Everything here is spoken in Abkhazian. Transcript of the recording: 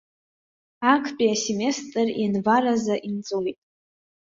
Актәи асеместр ианвар азы инҵәоит.